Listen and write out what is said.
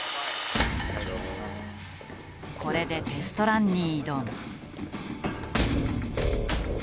これでテストランに挑む。